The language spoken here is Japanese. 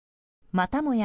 またもや